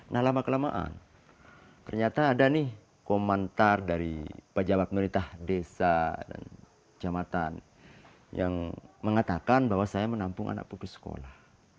nah lama kelamaan ternyata ada nih komentar dari pejabat pemerintah desa dan jamatan yang mengatakan bahwa saya menampung anak putus sekolah